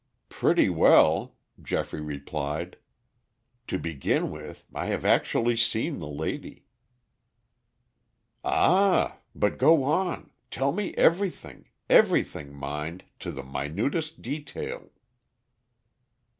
"Pretty well," Geoffrey replied. "To begin with, I have actually seen the lady." "Ah! But go on. Tell me everything, everything mind, to the minutest detail."